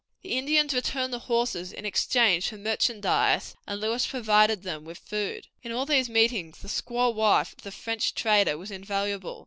The Indians returned the horses in exchange for merchandise, and Lewis provided them with food. In all these meetings the squaw wife of the French trader was invaluable.